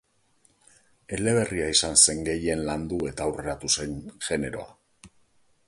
Eleberria izan zen gehien landu eta aurreratu zen generoa.